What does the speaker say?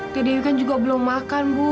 tadewi kan juga belum makan bu